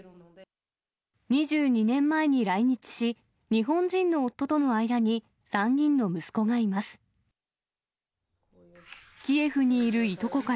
２２年前に来日し、日本人の夫との間に３人の息子がいます。